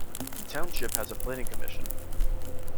The township has a planning commission.